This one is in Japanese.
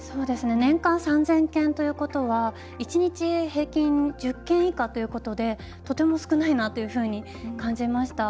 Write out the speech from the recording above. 年間３０００件ということは１日平均１０件以下ということでとても少ないなというふうに感じました。